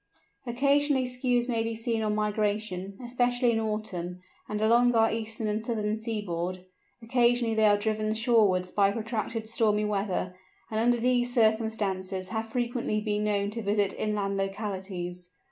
Occasionally Skuas may be seen on migration, especially in autumn, and along our eastern and southern seaboard; occasionally they are driven shorewards by protracted stormy weather, and under these circumstances have frequently been known to visit inland localities.